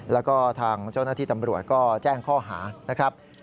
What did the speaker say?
แล้วก็ทางเจ้าหน้าที่ตำรวจก็แจ้งข้อหานะครับ